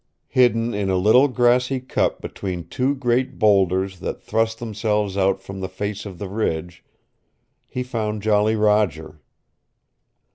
Hidden in a little grassy cup between two great boulders that thrust themselves out from the face of the ridge, he found Jolly Roger.